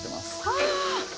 はあ！